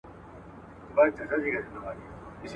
هر څوک بايد پوه شي چې کله رښتيا ووايي او کله دروغ.